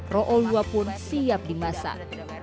roolua pun siap dimasak